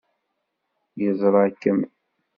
Yeẓra-kem.